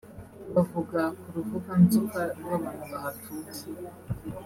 Bavuga ko uruvuganzoka rw’abantu bahatuye